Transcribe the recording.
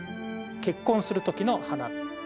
結婚する時の花。